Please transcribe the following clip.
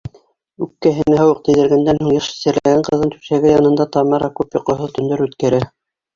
Үпкәһенә һыуыҡ тейҙергәндән һуң йыш сирләгән ҡыҙҙың түшәге янында Тамара күп йоҡоһоҙ төндәр үткәрә.